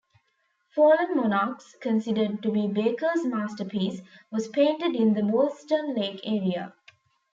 "Fallen Monarchs", considered to be Baker's masterpiece, was painted in the Ballston Lake area.